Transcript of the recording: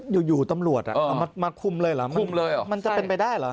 อยู่ตำรวจเอามาคุมเลยเหรอมาคุมเลยเหรอมันจะเป็นไปได้เหรอ